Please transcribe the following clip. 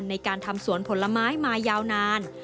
ในการทำสวนผลไม้มายาวนาน